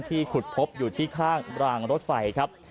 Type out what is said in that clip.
ขุดพบอยู่ที่ข้างรางรถไฟครับ